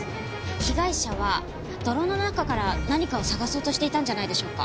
被害者は泥の中から何かを探そうとしていたんじゃないでしょうか？